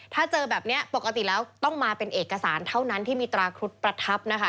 ถ้าเจอแบบนี้ปกติแล้วต้องมาเป็นเอกสารเท่านั้นที่มีตราครุฑประทับนะคะ